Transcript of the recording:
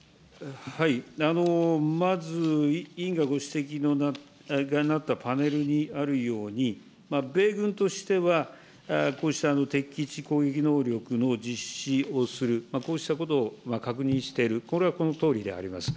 まず、委員がご指摘になったパネルにあるように、米軍としては、こうした敵基地攻撃能力の実施をする、こうしたことを確認している、これはこのとおりであります。